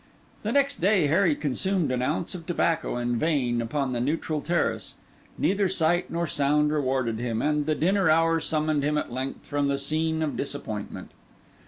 The next day Harry consumed an ounce of tobacco in vain upon the neutral terrace; neither sight nor sound rewarded him, and the dinner hour summoned him at length from the scene of disappointment.